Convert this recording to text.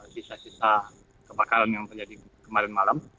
sisa sisa kebakaran yang terjadi kemarin malam